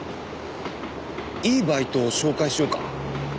いいバイトを紹介しようか。